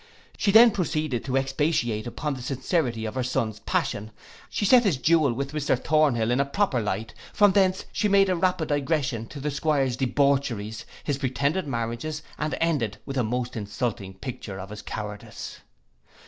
She then proceeded to expatiate upon the sincerity of her son's passion, she set his duel with Mr Thornhill in a proper light, from thence she made a rapid digression to the 'Squire's debaucheries, his pretended marriages, and ended with a most insulting picture of his cowardice.